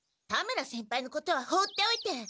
田村先輩のことは放っておいて。